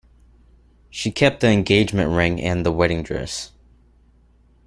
She kept the engagement ring and the wedding dress.